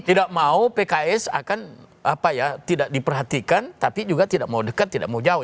tidak mau pks akan tidak diperhatikan tapi juga tidak mau dekat tidak mau jauh